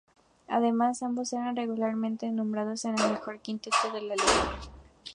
Además, ambos eran regularmente nombrados en el mejor quinteto de la liga.